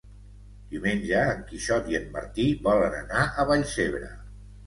Diumenge en Quixot i en Martí volen anar a Vallcebre.